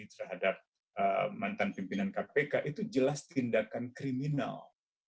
terhadap mantan pimpinan kpk itu jelas tindakan kriminal